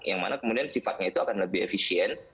yang mana kemudian sifatnya itu akan lebih efisien